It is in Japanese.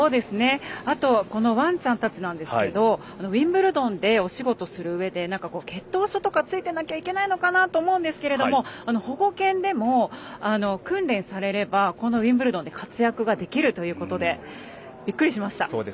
あとワンちゃんたちですがウィンブルドンでお仕事するうえで血統書とか付いていなきゃいけないのかなと思いますが保護犬でも訓練されればウィンブルドンで活躍ができるということでびっくりしました。